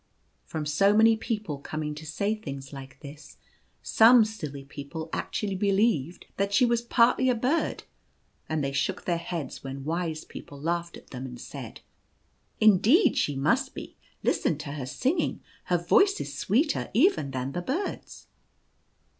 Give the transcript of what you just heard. From so many people coming to say things like this, some silly people actually believed that she was partly a bird, and they shook their heads when wise people laughed at them, and said :" Indeed she must be ; listen to her singing ; her voice is sweeter even than the birds.'